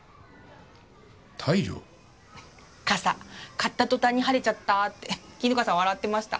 買った途端に晴れちゃったって絹香さん笑ってました。